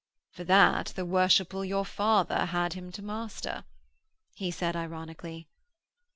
'For that, the worshipful your father had him to master,' he said ironically.